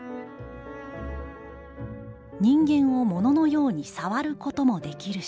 「人間を物のように『さわる』こともできるし」。